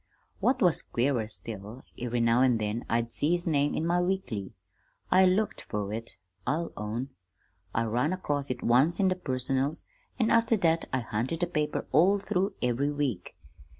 "What was queerer still, every now an' then I'd see his name in my weekly. I looked fer it, I'll own. I run across it once in the 'Personals,' an' after that I hunted the paper all through every week.